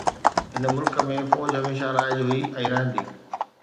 هن ملڪ ۾ فوج هميشه رائج هئي ۽ رهندي